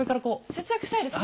節約したいですね。